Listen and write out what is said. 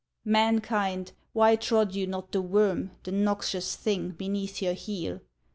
Mankind! why trod you not the worm, The noxious thing, beneath your heel?